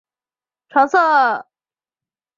所属的线路颜色为橙色。